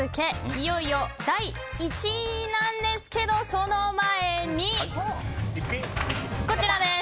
いよいよ第１位なんですけどその前に、こちらです。